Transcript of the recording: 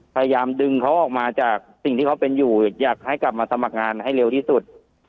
พยายามดึงเขาออกมาจากสิ่งที่เขาเป็นอยู่อยากให้กลับมาสมัครงานให้เร็วที่สุด